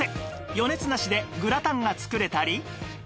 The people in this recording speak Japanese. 余熱なしでグラタンが作れたり